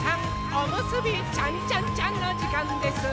おむすびちゃんちゃんちゃんのじかんです！